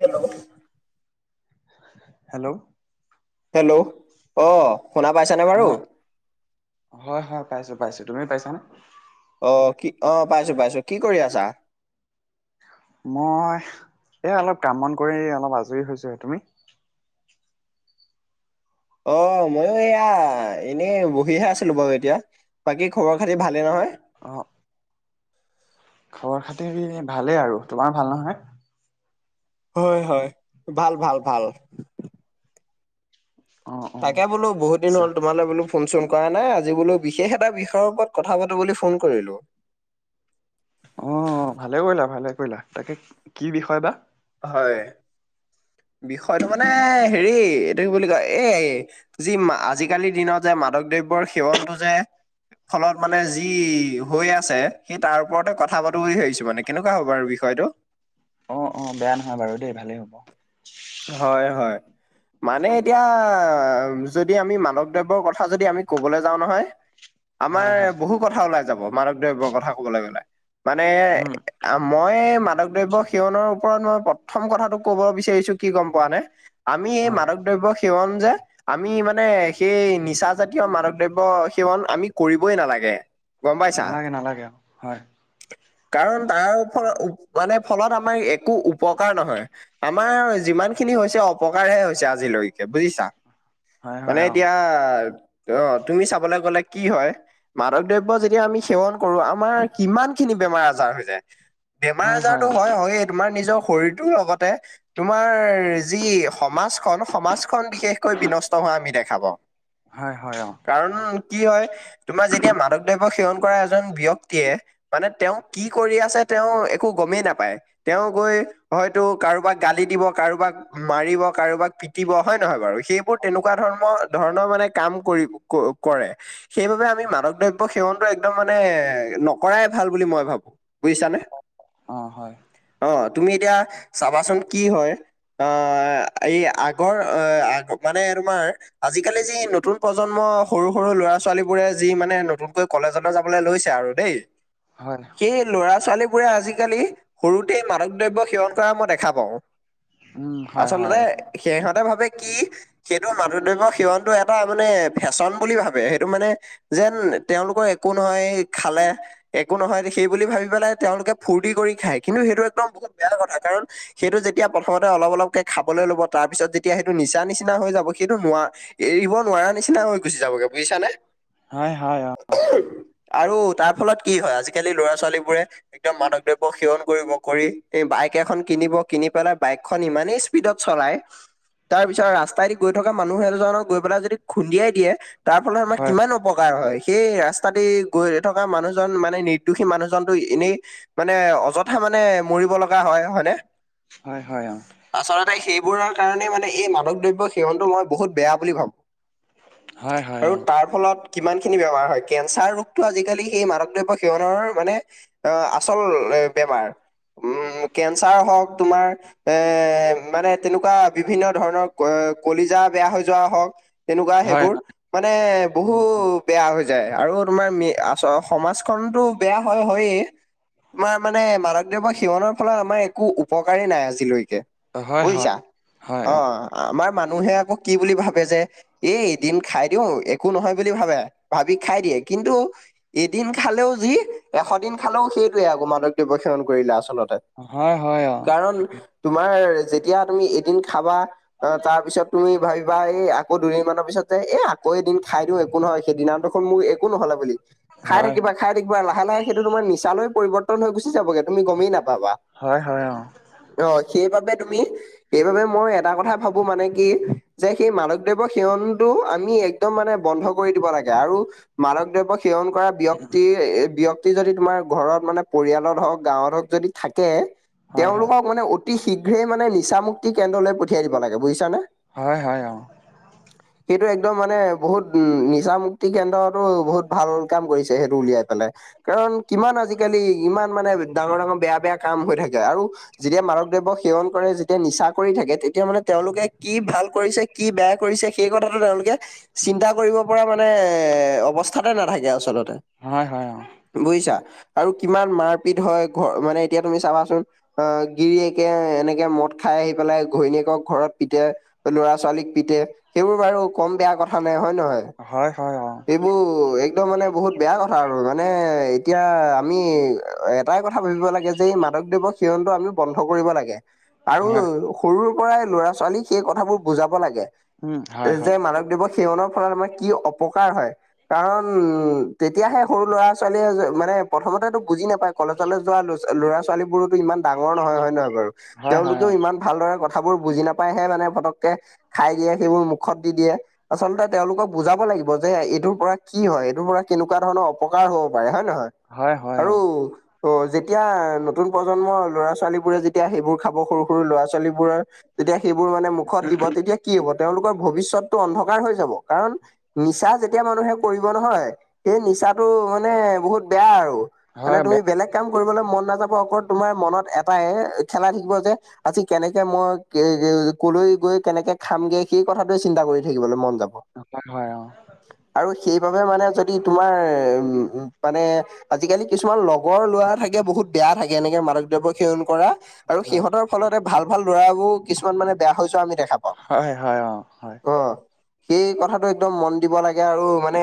Hello. Hello. Hello অ' শুনা পাইছেনে বাৰু? অ', হয় হয় পাইছো পাইছো তুমি পাইছানে অ কি অ পাইছো পাইছো কি কৰি আছা মই এই অলপ কাম বন কৰি অলপ আজৰি হৈছোঁহে তুমি অ মইও এয়া এনেই বহিহে আছিলো বাৰু এতিয়া বাকী খবৰ খাতি ভালেই নহয় অ খবৰ খাতিৰ ভালেই আৰু তোমাৰ ভাল নহয় হয় হয় ভাল ভাল ভাল অ', অ', তাকে বোলো বহুতিন আচ্ছা হল তোমালে বলো ফোন চোন কৰা নাই আজি বোলো বিশেষ এটা বিষয়ৰ ওপৰত কথা পাতো বুলি ফোন কৰিলো অঁ ভালে কৰিলা ভালে কৰিলা তাকে কি বিষয় বা হয় বিষয়টো মানে হেৰি এইটো কি বুলি কয় এই যি আজিকালিৰ দিনত যে মাদক দ্ৰব্যৰ সেৱনটো যে ফলত মানে যি হৈ আছে সেই তাৰ ওপৰতে কথা পাতো বুলি ভাবিছোঁ মানে কেনেকুৱা হ'ব বাৰু বিষয়টো অ অ বেয়া নহয় বাৰু দেই ভালেই হ'ব হয় হয় মানে এতিয়া যদি আমি মাদক দ্ৰব্যৰ কথা যদি আমি ক'বলৈ যাওঁ নহয় আমাৰ হয় হয় বহুত বহুত কথা ওলাই যাব মাদক দ্ৰব্যৰ কথা কবলৈ গললে মানে উম আ মই মাদক দ্ৰব্য সেৱনৰ ওপৰত মই প্ৰথম কথাটো ক'ব বিচাৰিছো কি গম পোৱা নে আমি এই হয় মাদক দ্ৰব্য সেৱন যে আমি মানে সেই নিচা জাতীয় মাদক দ্ৰব্য সেৱন আমি কৰিবই নালাগে গম পাইছা নালাগে নালাগে অ', হয় কাৰণ তাৰ মানে ফলত আমাৰ একো উপকাৰ নহয় আমাৰ যিমান খিনি হৈছে অপকাৰহে হৈছে আজিলৈকে বুজিছা হয় হয় মানে অ', এতিয়া অ তুমি চাবলে গ'লে কি হয় মাদক দ্ৰব্য যেতিয়া আমি সেৱন কৰো আমাৰ কিমান খিনি বেমাৰ আজাৰ হৈ যায় বেমাৰ হয় আজাৰতো অ', হয় হয়ে তোমাৰ নিজৰ শৰীৰটোৰ লগতে তোমাৰ যি সমাজখন সমাজখন বিশেষকৈ বিনষ্ট হোৱা আমি দেখা পাও হয় হয় অঁ কাৰণ কি হয় তোমাৰ যেতিয়া মাদক দ্ৰব্য সেৱন কৰা এজন ব্যক্তিয়ে মানে তেওঁ কি কৰি আছে তেওঁ একো গমেই নাপায় তেওঁ গৈ হয়তো কাৰোবাক গালি দিব কাৰোবাক মাৰিব কাৰোবাক পিটিব হয় নহয় বাৰু সেইবোৰ তেনেকুৱা ধৰণৰ ধৰণৰ মানে কাম কৰিব কৰে সেইবাবে আমি মাদক দ্ৰব্য সেৱনটো একদম মানে নকৰাই ভাল বুলি মই ভাবো বুজিছানে অ', হয় অ তুমি এতিয়া চাবাচোন কি হয় অ এই আগৰ অ আগ মানে তোমাৰ আজিকালি যি নতুন প্ৰজন্ম সৰু সৰু ল'ৰা ছোৱালী বোৰে যি মানে নতুনকৈ কলেজলৈ যাবলৈ লৈছে আৰু দেই হয় এই ল'ৰা ছোৱালীবোৰে আজিকালি সৰুতেই মাদক দ্ৰব্য সেৱন কৰা মই দেখা পাওঁ উম হয় আচলতে হয় অ', সিহঁতে ভাবে কি সেইটো মাদক দ্ৰব্য সেৱনটো এটা মানে ফেশ্বন বুলি ভাবে সেইটো মানে যেন তেওঁলোকৰ একো নহয় খালে একো নহয় দেখি বুলি ভাবি পেলাই তেওঁলোকে ফূৰ্তি কৰি খায়। কিন্তু সেইটো একদম বহুত বেয়া কথা কাৰণ সেইটো যেতিয়া প্ৰথমতে অলপ অলপকে খাবলে ল'ব তাৰ পিছত যেতিয়া সেইটো নিচা নিচিনা হৈ যাব সেইটো নোৱা- এৰিব নোৱাৰা নিচিনা হৈ গুচি যাব হৈ গুচি যাবগে বুজিছা নে হয় হয় অ। আৰু তাৰ ফলত কি হয় আজিকালি ল'ৰা ছোৱালীবোৰে একদম মাধক দ্ৰব্য সেৱন কৰিব কৰি এই বাইক এখন কিনিব, কিনি পেলাই বাইকখন ইমানেই স্পীডত চলায়। তাৰ পিছত ৰাস্তাইদি গৈ থকা মানুহ এজনক গৈ পেলাই যদি খুন্দিয়াই দিয়ে। তাৰ ফলত আমাৰ হয় কিমান অপকাৰ হয়। সেই ৰাস্তাতে গৈ থকা মানুহজন মানে নিৰ্দোষী মানুহজনটো এনেই মানে অযথা মানে মৰিব লগা হয়, হয়নে? হয় হয় অ। আচলতে সেইবোৰৰ কাৰণে মানে এই মাদক দ্ৰব্য সেৱনতটো মই বহুত বেয়া বুলি ভাব হয় হয় আৰু অ', তাৰ ফলত কিমান খিনি বেমাৰ হয় কেঞ্চাৰ ৰোগতটো আজিকালি সেই মাদক দ্ৰব্য সেৱনৰ মানে অ আচল বেমাৰ উ কেঞ্চাৰ হওঁক তোমাৰ এ মানে তেনেকুৱা বিভিন্ন ধৰণৰ কলিজা বেয়া হৈ যোৱা হওঁক তেনেকুৱা হয় সেইবোৰ মানে বহু হয় বেয়া হৈ যায় আৰু তোমাৰ মে আছ সমাজখনতো বেয়া হয় হৈয়ে তোমাৰ মানে মাদক দ্ৰব্য সিৱনৰ ফলত আমাৰ একো উপকাৰেই নাই আজিলৈকে। হয় হয় বুজিছা হয় অ আমাৰ মানুহে আকৌ কি বুলি ভাবে যে এ এদিন খাই দিওঁ একো নহয় বুলি ভাবে ভাবি খাই দিয়ে। কিন্তু এদিন খালেও যি এশ দিন খালেও সেইটোৱে আকৌ মাদক দ্ৰৱ্য সেৱন কৰিলে আচলতে। অ হয় হয় অ কাৰণ তাকে তোমাৰ যেতিয়া তুমি এদিন খাবা আ তাৰ পিছত তুমি ভাবিবা এই আকৌ দুদিনমানানৰ পিছত যে এ আকৌ এদিন খাই দিওঁ একো নহয় সেইদিনা দেখোন মোৰ একো নহলে বুলি খাই হয় থাকিবা খাই থাকিবা লাহে লাহে সেইটো তোমাৰ নিচা লে পৰিৱৰ্তন হৈ গুচি যাবগে তুমি গমেই নাপাবা। হয় হয় অ। অ সেইবাবে তুমি সেইবাবে মই এটা কথা ভাবো মানে কি যে সেই মাদকদ্ৰৱ সেৱনতটো আমি একদম মানে বন্ধ কৰি দিব লাগে আৰু মাদক দ্ৰৱ্য সেৱন কৰা ব্যক্তিৰ ব্যক্ত- প্ৰতি যদি তোমাৰ ঘৰত মানে পৰিয়ালত হওঁক গাঁৱত হওঁক যদি থাকে হয় হয় তেওঁলোকক মানে অতি শীঘ্ৰে মানে নিচা মুুক্তি কেন্দ্ৰলৈ পঠিয়াই দিব লাগে বুজিছানে। হয় হয় অ। [inaudible] সেইটো একদম মানে বহুত উ নিচা মুুক্তি কেন্দ্ৰতো বহুত ভাল কাম কৰিছে সেইটো উলিয়াই পেলাই। কাৰণ কিমান আজিকালি ইমান মানে ডাঙৰ ডাঙৰ বেয়া বেয়া কাম হৈ থাকে আৰু যেতিয়া মানৱদ্ৰব্য সেৱন কৰে যেতিয়া নিচা কৰি থাকে তেতিয়া মানে তেওঁলোকে কি ভাল কৰিছে কি বেয়া কৰিছে সেই কথাটো তেওঁলোকে চিন্তা কৰিব পৰা মানে এ অৱস্থাতে নাথাকে আচলতে। হয় হয় অ। বুজিছা আৰু কিমান মাৰপিত হয় ঘৰ মানে এতিয়া তুমি চাবাচোন আহ গিৰিয়েকে এনেকে মদ খাই আহি পেলাই ঘৈণীয়েকক ঘৰত পিতে। ল'ৰা-ছোৱালীক পিতে সেইবোৰ বাৰু কম বেয়া কথা নাই হয়ে নহয়? হয় হয় অ। উম একদম মানে বহুত বেয়া কথা আৰু মানে এতিয়া আমি এটাই কথা ভাবিব লাগে যে এই মাদক দ্ৰব্য সেবণটো আমি বন্ধ কৰিব লাগে, আৰু হয় সৰুৰ পৰাই ল'ৰা ছোৱালীক সেই কথাবোৰ বুজাব লাগে উম হয় যে হয় মাদক দ্ৰব্য সেৱনৰ ফলত আমাৰ কি অপকাৰ হয়। কাৰণ তেতিয়াহে সৰু ল'ৰা ছোৱালীয়ে মানে প্ৰথমতেতো বুজি নাপায় কলেজলৈ যোৱা ল'ৰা ছোৱালী বোৰোতো ইমান ডাঙৰ নহয় হয় নহয় বাৰু হয় হয় তেওঁলোকেও অ ইমান ভালদৰে কথাবোৰ বুজি নাপায়হে মানে পতককে খাই দিয়ে, সেইবোৰ মুখত দি দিয়ে। আচলতে তেওঁলোকক বুজাব লাগিব যে এইটোৰ পৰা কি হয় এইটোৰ পৰা কেনেকুৱা ধৰণৰ অপকাৰ হব পাৰে হয় নে নহয়। হয় হয় আৰু অ যেতিয়া নতুন প্ৰজন্ম ল'ৰা ছোৱালীবোৰে যেতিয়া সেইবোৰ খাব সৰু সৰু ল'ৰা ছোৱালীবোৰৰ তেতিয়া সেইবোৰ মানে মুখত দিব তেতিয়া কি হব তেওঁলোকৰ ভৱিষ্যতটো অন্ধকাৰ হৈ যাব কাৰণ নিচা যেতিয়া মানুহে কৰিব নহয় সেই নিচাটো মানে বহুত বেয়া আৰু। মানে হয় বে তুমি বেলেগ কাম কৰিবলৈ মন নাযাব অকল তোমাৰ মনত এটাই খেলাই থাকিব যে আজি কেনেকে মই কলৈ গৈ কেনেকে খামগে সেই কথাটোৱে চিন্তা কৰি থাকিবলৈ মন যাব। অ' হয় অ'। আৰু সেইবাবে মানে যদি তোমাৰ উম মানে আজিকালি কিছুমান লগৰ লৰা থাকে বহুত বেয়া থাকে এনেকে মাদক দ্ৰব্য সেৱন কৰা আৰু সিহঁতৰ ফলতে ভাল ভাল লৰাবোৰ কিছুমান মানে বেয়া হৈ যোৱা আমি দেখা পাওঁ। হয় হয় অঁ হয়। অ সেই কথাটো একদম মন দিব লাগে আৰু মানে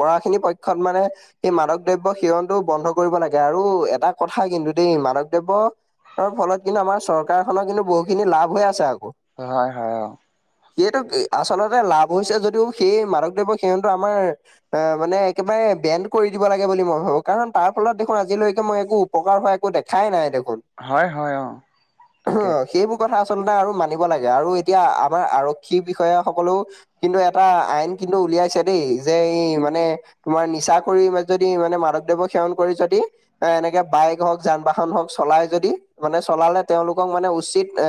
পৰাখিনি পক্ষত মানে এই মাদক দ্ৰব্য সেৱনটো বন্ধ কৰিব লাগে, আৰু এটা কথা কিন্তু দেই মাদক দ্ৰব্যৰ ফলত কিন্তু আমাৰ চৰকাৰ খনৰ কিন্তু বহুখিনি লাভ হৈ আছে আক'। হয় হয় অ'। সেইটো আচলতে লাভ হৈছে যদিও সেই মাধক দ্ৰব্য সেৱনটো আমাৰ এ মানে একেবাৰে বেণ্ড কৰি দিব লাগে বুলি মই ভাবো, কাৰণ তাৰ ফলত দেখোন আজিলৈকে মই একো উপকাৰ হোৱা একো দেখাই নাই দেখোন। হয় হয় অ' তাকে। এইবোৰ কথা আচলতে আৰু মানিব লাগে আৰু এতিয়া আমাৰ আৰক্ষী বিষয়া সকলো কিন্তু এটা আইন কিন্তু উলিয়াইছে দেই যে ই মানে তোমাৰ নিচা কৰি যদি মানে মাদক দ্ৰব্য সেৱন কৰি যদি এ এনেকে বাইক হওক যান বাহন হওক চলাই যদি মানে চলালে তেওঁলোকক মানে উচিত এ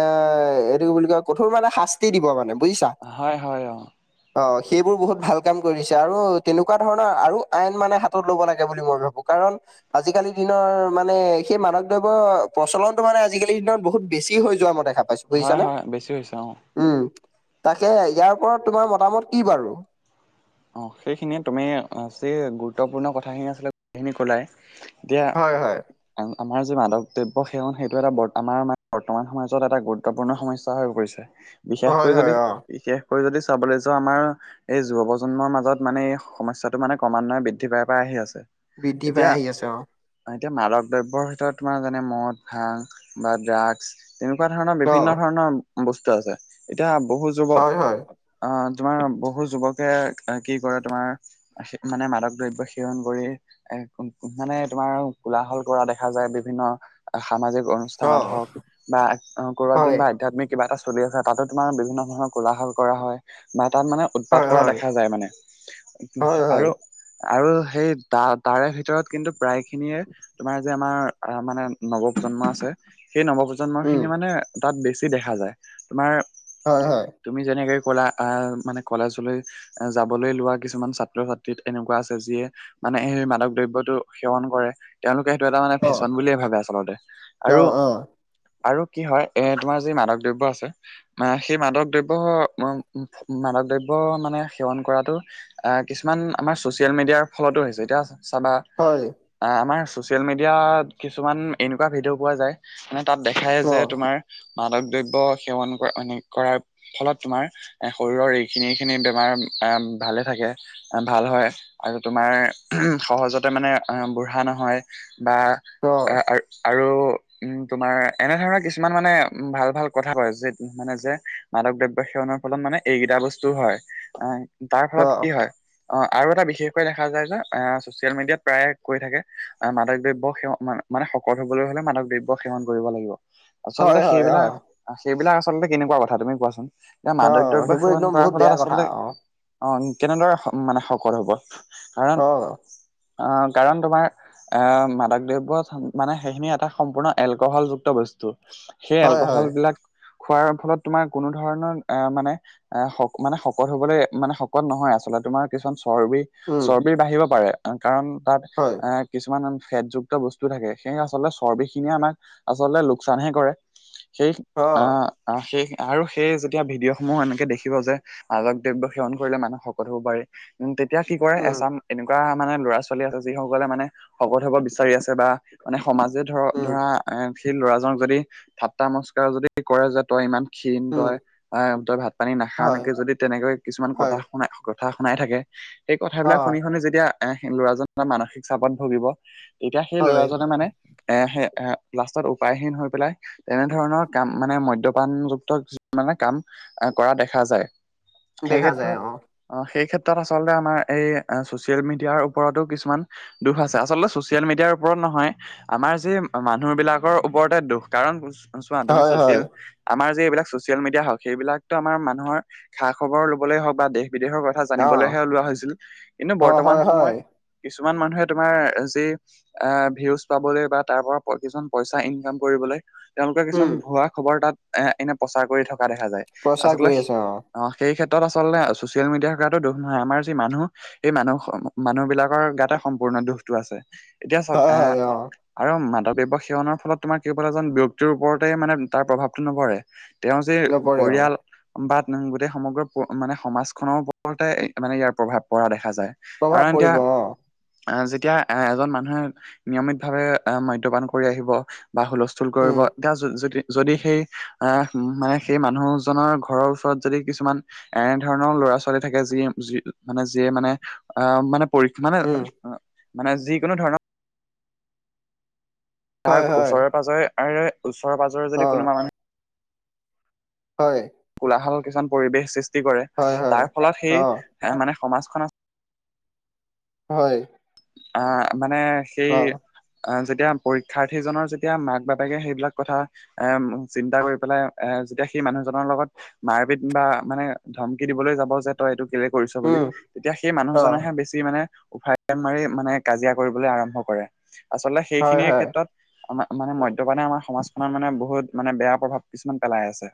এইটো বুলি কয় কঠোৰ মানে শাস্তি দিব মানে। হয় হয় অঁ। অঁ সেইবোৰ বহুত ভাল কাম কৰিছে আৰু তেনেকুৱা ধৰণৰ আৰু আইন মানে হাতত ল'ব লাগে বুলি মই ভাবো কাৰণ, আজিকালি দিনৰ মানে সেই মাদক দ্ৰব্য প্ৰচলনটো মানে আজিকালিৰ দিনত বহুত বেছি হৈ যোৱা মই দেখা পাইছোঁ, বুজিছা হয় নে? হয় বেছি হৈছে অ উম। তাকে ইয়াৰ ওপৰত তোমাৰ মতামত কি বাৰু? অঁ সেইখিনিয়ে তুমি যি গুৰুত্বপূৰ্ণ কথাখিনি আছিলে গোটেইখিনি ক'লাই দিয়া হয় হয় আমা আমাৰ যে মাদক দ্ৰব্য সেৱন সেইটো এটা আমাৰ বৰ্তমান সমাজত এটা গুৰুত্বপূৰ্ণ সমস্যা হৈ পৰিছে। বিশেষকৈ হয় যদি হয় অ বিশেষকৈ যদি চাবলৈ যাওঁ আমাৰ এই যুৱ প্ৰজন্মৰ মাজত মানে এই সমস্যাটো মানে ক্ৰমান্বয়ে বৃদ্ধি পাই পাই আহি আছে। বৃদ্ধি পাই এতিয়া আহি আছে অঁ। এতিয়া মাদক দ্ৰব্যৰ ভিতৰত তোমাৰ যেনে মদ, ভাং, বা ড্ৰাগছ তেনেকুৱা ধৰণৰ অ বিভিন্ন ধৰণৰ বস্তু আছে এতিয়া বহুত হয় হয় যুৱক অ তোমাৰ বহু যুৱকে কি কৰে তোমাৰ এহে মানে মাদক দ্ৰব্য সেৱন কৰি এ মানে তোমাৰ কোলাহল কৰা দেখা যায় বিভিন্ন সামাজিক অনু অ স্থানত হওঁক বা ক'ৰবাত হয় যেনিবা আধ্যাত্মিক কিবা এটা চলি আছে তাতো তোমাৰ বিভিন্ন ধৰণৰ কোলাহাল কৰা হয় বা তাত মানে উৎপাত হয় কৰা হয় দেখা যায় মানে হয় হয় আৰু আৰু সেই তা তাৰে ভিতৰত কিন্তু প্ৰায় খিনিয়ে তোমাৰ যে আমাৰ আহ মানে নৱপ্ৰজন্ম আছে সেই নৱপ্ৰজন্ম উম খিনিয়ে মানে তাত বেছি দেখা যায় তোমাৰ হয় হয় তুমি যেনেকে কলা আহ মানে কলেজলৈ এ যাবলৈ লোৱা কিছুমান ছাত্ৰ ছাত্ৰীত এনেকুৱা আছে যিয়ে মানে সেই মাদক দ্ৰব্যটো সেৱন কৰে তেওঁলোকে সেইটো এটা মানে অ ফেশ্বন বুলিয়ে ভাবে আচলতে অ আৰু অ আৰু কি হয় এ তোমাৰ যি মাদক দ্ৰব্য আছে মা সেই মাদক দ্ৰব্য মাদক দ্ৰব্য সেৱন কৰাটো অ কিছুমান আমাৰ চচিয়েল মিডিয়াৰ ফলতো হৈছে এতিয়া চাবা হয় আ আমাৰ ছচিয়েল মিডিয়াত কিছুমান এনেকুৱা ভিডিঅ' পোৱা যায় মানে তাত দেখায় অ যে তোমাৰ মাদক দ্ৰব্য সেৱন কৰা মান কৰাৰ ফলত তোমাৰ এ শৰীৰৰ এইখিনি এই খিনি তোমাৰ এম ভালে থাকে ভাল হয় আৰু তোমাৰ সহজতে মানে বুঢ়া নহয় বা অ আ আৰ আৰু উম তোমাৰ এনে ধৰণৰ কিছুমান মানে উম ভাল ভাল কথা কয় যে মানে যে মাদক দ্ৰব্য সেৱনৰ ফলত মানে এইকেইটা বস্তু হয় আহ তাৰ অ ফলত কি হয় অ আৰু এটা বিশেষকৈ দেখা যায় যে ছচিয়েল মিডিয়াত প্ৰায়ে কৈ থাকে মাদক দ্ৰব্য সেৱন মানে শকত হবলৈ হলে মাদক দ্ৰব্য সেৱন কৰিব লাগিব আচলতে হয় হয় সেইবিলাক অ সেইবিলাক আচলতে কেনেকুৱা কথা তুমি কোৱাচোন এতিয়া অ মাদক দ্ৰব্য সেইবোৰ সেৱন একদম কৰাৰ বহুত বেয়া ফলত কথা আচলতে অ অ কেনেদৰে মানে শকত হ'ব কাৰণ অ আহ কাৰণ তোমাৰ আহ মাদক দ্ৰব্যত মানে সেইখিনি এটা সম্পূৰ্ণ এলকহলযুক্ত বস্তু সেই হয় এলকহল হয় বিলাক খোৱাৰ ফলত তোমাৰ কোনো ধৰণৰ আহ মানে, আহ মানে শক শকত হবলৈ মানে শকত নহয় আচলতে তোমাৰ কিছুমান চৰ্বি উম চৰ্বিৰ বাঢ়িব পাৰে কাৰণ তাত হয় এ কিছুমান ফেটযুক্ত বস্তু থাকে সেইয়ে আচলতে চৰ্বি খিনিয়ে আমাক আচলতে লোকচানহে কৰে সেই অ আহ সেই আৰু সেই যেতিয়া ভিডিঅ'সমূহো এনেকে দেখিব যে মালক দ্ৰব্য সেৱন কৰিলে মানুহ শকত হ'ব পাৰে তেতিয়া কি কৰে উম এচাম এনেকুৱা মানে ল'ৰা ছোৱালী আছে যিসকলে মানে শকত হব বিচাৰি আছে বা মানে সমাজে ধৰ উম ধৰা এ সেই ল'ৰাজনক যদি ঠাত্তা মস্কাৰ যদি কৰে যে তই ইমান ক্ষীণ উম তই আহ তই ভাত পানী নাখাও হয় এনেকে যদি তেনেকৈ কিছুমান কথা হয় কথা শুনাই থাকে সেই অ কথাবিলাক শুনি শুনি যেতিয়া এহ ল'ৰাজন এটা মানসিক চাপত ভুগিব তেতিয়া সেই হয় ল'ৰাজনে মানে এ হে এ লাষ্টত উপায়হীন হৈ পেলাই তেনেধৰণৰ কাম মানে মদ্যপানযুক্ত কিছুমানে কাম আ কৰা দেখা যায়। সেই দেখা ক্ষেত্ৰত যায় অ, সেই ক্ষেত্ৰত আচলতে আমাৰ এই আ--ছচিয়েল মিডিয়াৰ ওপৰতো কিছুমান দুখ আছে। আচলতে ছচিয়েল মিডিয়াৰ ওপৰত নহয় আমাৰ যি মানুহ বিলাকৰ ওপৰতে দুখ কাৰণ বস্ চোৱা তুমি হয় হয় চচিয়েল আমাৰ যে এইবিলাক ছচিয়েল মিডিয়া হওক সেইবিলাকটো আমাৰ মানুহৰ খা-খবৰ ল'বলে হওঁক বা দেশ বিদেশৰ কথা অ জানিবলেহে ওলোৱা হৈছিল কিন্তু অ বৰ্তমান হয় হয় সময়ত কিছুমান মানুহে তোমাৰ যি আঁ ভিউজ পাবলৈ বা তাৰপৰা প' কিছুমান পইচা ইনকাম কৰিবলৈ তেওঁলোকে উম কিছুমান ভুৱা খবৰ তাত এ এনে প্ৰচাৰ কৰি থকা দেখা যায়। প্ৰচাৰ আচলতে কৰি আছে অ অঁ, সেই ক্ষেত্ৰত আচলতে ছচিয়েল মিডিয়া গাটো দুখ নহয়। আমাৰ যি মানুহ সেই মানুহ হ মানুহ বিলাকৰ গাতে সম্পূৰ্ণ দুখটো আছে। এতিয়া চাওঁক হয় এ হয় অ আৰু মাদকদ্ৰব্য সেৱনৰ ফলত তোমাৰ কেৱল এজন ব্যক্তিৰ ওপৰতেই মানে তাৰ প্ৰভাৱটো নপৰে। তেওঁৰ যে নপৰে অ পৰিয়াল বা গোটেই সমগ্ৰ প মানে সমাজখনৰ ওপৰতে মানে, ইয়াৰ প্ৰভাৱ পৰা দেখা যায়। প্ৰভাৱ কাৰণ এতিয়া পৰিব অ আঁ যেতিয়া এজন মানুহে নিয়মিত ভাৱে আ মদ্যপান কৰি আহিব বা হুলস্ স্থল কৰিব। উম এতিয়া যদ যদি যদি সেই আ মানে সেই মানুহজনৰ ঘৰৰ ওচৰত যদি কিছুমান এনে ধৰণৰ ল'ৰা-ছোৱালী থাকে যিয়ে যি মানে যিয়ে মানে আঁ মানে পৰী মানে, উম মানে যিকোনো ধৰণৰ তাৰ হয় হয় ওচৰে-পাজৰে আৰু ওচৰে-পাজৰে অ যদি কোনোবা মানুহ হয়। কোলাহল কিছুমান পৰিৱেশ সৃষ্টি কৰে। হয় হয় তাৰ ফলত অ সেই মানে সমাজখনত হয়। আঁ মানে সেই অ আ- যেতিয়া পৰীক্ষাৰ্থীজনৰ যেতিয়া মাক-বাপেকে সেইবিলাক কথা এ--ম চিন্তা কৰিপেলাই এ--যেতিয়া সেই মানুহজনৰ লগত মাৰপিত বা মানে ধমকি দিবলৈ যাব যে তই এইটো কেলে কৰিছ বুলি। উম তেতিয়া সেই অ মানুহজনৰহে বেছি মানে, উফাইদাং মাৰি মানে কাজিয়া কৰিবলৈ আৰম্ভ কৰে। আচলতে হয় সেইখিনিৰ হয় ক্ষেত্ৰত আমা মানে মদ্যপানে আমাৰ সমাজখনত মানে, বহুত মানে বেয়া প্ৰভাৱ কিছুমান পেলাই আছে।